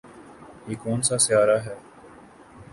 یہ کون سا سیارہ ہے